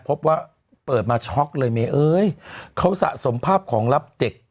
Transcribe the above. พบว่าเปิดมาช็อกเลยเมเอ้ยเขาสะสมภาพของรับเด็ก